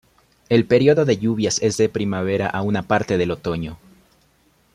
El periodo de lluvias es de primavera a una parte del otoño.